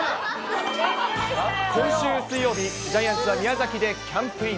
今週水曜日、ジャイアンツは宮崎でキャンプイン。